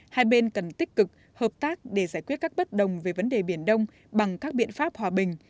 hai bên cần tích cực hợp tác để giải quyết các bất đồng về vấn đề biển đông bằng các biện pháp hòa bình